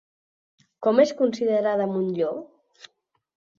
Com és considerada Montllor?